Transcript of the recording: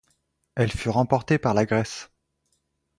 Elle fut remportée par la Grèce.